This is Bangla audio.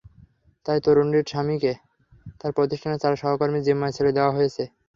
তাই তরুণীটির স্বামীকে তাঁর প্রতিষ্ঠানের চার সহকর্মীর জিম্মায় ছেড়ে দেওয়া হয়েছে।